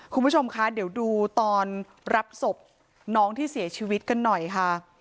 คุณผู้ชมคะเดี๋ยวดูตอนรับศพน้องที่เสียชีวิตกันหน่อยค่ะ